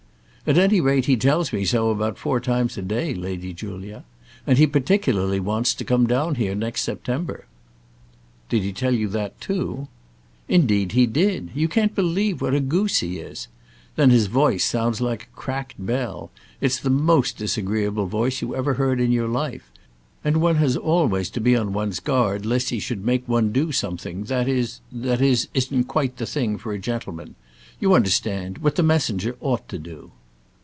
"At any rate he tells me so about four times a day, Lady Julia. And he particularly wants to come down here next September." "Did he tell you that, too?" "Indeed he did. You can't believe what a goose he is! Then his voice sounds like a cracked bell; it's the most disagreeable voice you ever heard in your life. And one has always to be on one's guard lest he should make one do something that is is that isn't quite the thing for a gentleman. You understand; what the messenger ought to do."